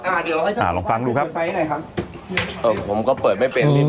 อ่าเดี๋ยวอ่าลองฟังดูครับไฟล์ไหนครับเออผมก็เปิดไม่เป็นนี่